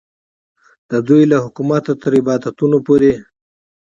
د دوی له حکومته تر عبادتونو پورې.